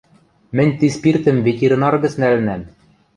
Мӹнь ти спиртӹм ветеринар гӹц нӓлӹнӓм.